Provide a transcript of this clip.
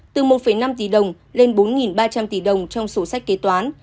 từ một năm tỷ đồng lên bốn ba trăm linh tỷ đồng trong sổ sách kế toán